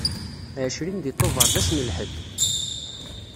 Ɛecrin di tubeṛ d ass n lḥedd.